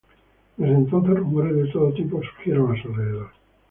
Desde entonces, rumores de todo tipo surgieron a su alrededor.